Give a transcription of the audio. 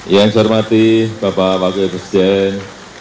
yang saya hormati bapak wakil presiden